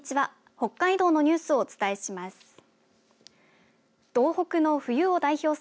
北海道のニュースをお伝えします。